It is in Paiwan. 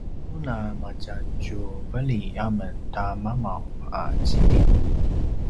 manu na matjatjuveli amen ta mamav a ziting